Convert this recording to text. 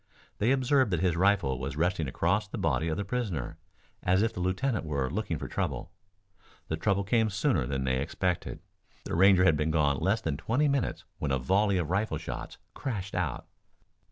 They observed that his rifle was resting across the body of the prisoner, as if the lieutenant were looking for trouble. The trouble came sooner than they expected. The Ranger had been gone less than twenty minutes when a volley of rifle shots crashed out.